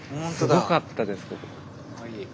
すごかったです